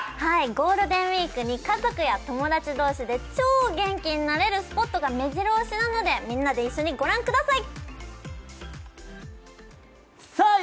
ゴールデンウイークに家族や友達同士で超元気になれるスポットがめじろ押しなのでみんなで一緒に御覧ください！